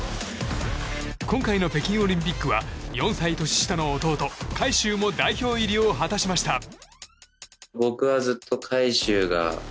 今回の北京オリンピックは４歳年下の弟・海祝も代表入りを果たしました。